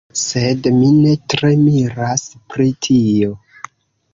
Sed mi ne tre miras pri tio.